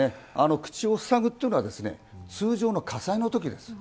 口をふさぐのは通常の火災のときです。